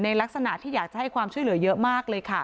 ลักษณะที่อยากจะให้ความช่วยเหลือเยอะมากเลยค่ะ